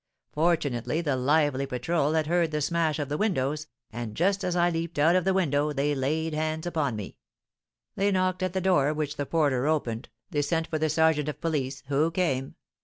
Fortunately the lively patrol had heard the smash of the windows, and just as I leaped out of the window they laid hands upon me. They knocked at the door, which the porter opened, they sent for the sergeant of police, who came.